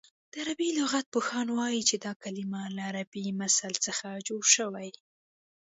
د عربي لغت پوهان وايي چې دا کلمه له عربي مثل څخه جوړه شوې